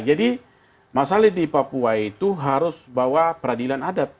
jadi masalah di papua itu harus bawa peradilan adat